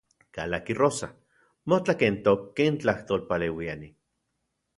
Kalaki Rosa, motlakentok ken tlajtolpaleuiani.